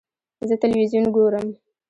زه تلویزیون ګورم.